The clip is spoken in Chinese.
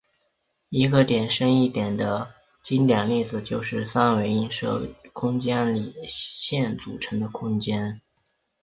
一个深一点的经典例子是三维射影空间里线组成的空间。